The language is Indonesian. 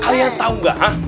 kalian tau gak